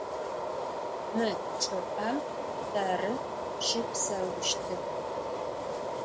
Mı çç'ıp'em terı şıpsauştır.